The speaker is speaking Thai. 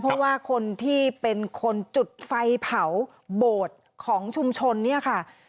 เพราะว่าคนที่เป็นคนจุดไฟเผาโบสถ์ของชุมชนเนี่ยค่ะ